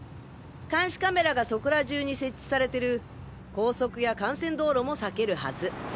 監視カメラがそこら中に設置されてる高速や幹線道路も避けるはず。